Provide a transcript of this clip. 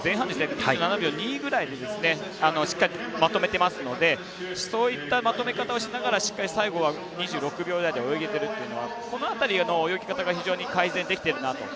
２７秒２ぐらいでしっかりまとめてますのでそういったまとめ方をしながらしっかり最後は２６秒台で泳げているというのはこの辺りの泳ぎ方が非常に改善できてるなと。